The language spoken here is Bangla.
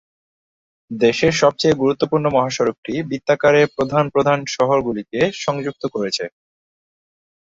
দেশের সবচেয়ে গুরুত্বপূর্ণ মহাসড়কটি বৃত্তাকারে প্রধান প্রধান শহরগুলিকে সংযুক্ত করেছে।